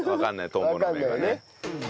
トンボの目がね。